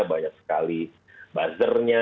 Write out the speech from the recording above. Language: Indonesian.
banyak sekali buzzernya